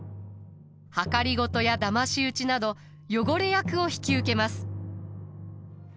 謀やだまし討ちなど汚れ役を引き受けます。